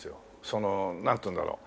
そのなんていうんだろう？